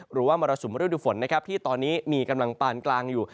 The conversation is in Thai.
มรสุมฤดูฝนนะครับที่ตอนนี้มีกำลังปานกลางอยู่